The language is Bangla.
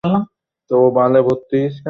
কিন্তু আর নয়।